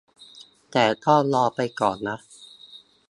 แต่ก็รอไปก่อนนะ